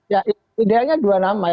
ya ideanya dua nama